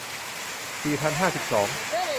สี่พันห้าสิบสอง